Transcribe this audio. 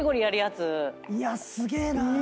いやすげえな。